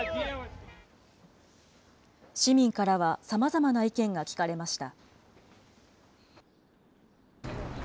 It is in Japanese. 市民からはさまざまな意見が聞かれました。